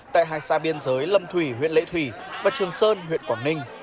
tại hai xã biên giới lâm thủy huyện lệ thủy và trường sơn huyện quảng ninh